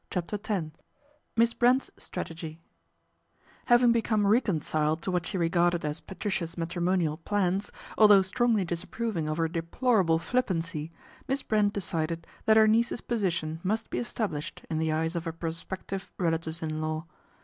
CHAPTER X MISS BRENT'S STRATEGY HAVING become reconciled to what she regarded as Patricia's matrimonial plans, although strongly disapproving of her deplorable flippancy, Miss Brent decided that her niece's position must be established in the eyes of her prospective relatives in law.